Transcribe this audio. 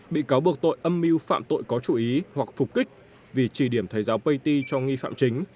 bị cáo buộc tội âm mưu phạm tội có chú ý hoặc phục kích vì trì điểm thầy giáo paty cho nghi phạm chính